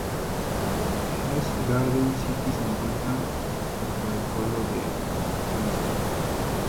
East Garden City se encuentra dentro del pueblo de Hempstead.